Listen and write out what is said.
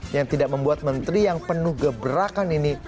yang tidak membuat menteri yang penuh gebrakan ini